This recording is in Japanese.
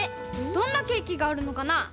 どんなケーキがあるのかな？